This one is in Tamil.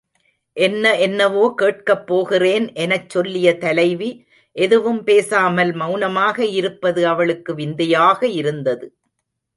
என்ன என்னவோ கேட்கப் போகிறேன் எனச் சொல்லிய தலைவி எதுவும் பேசாமல் மெளனமாக இருப்பது அவளுக்கு விந்தையாக இருந்தது.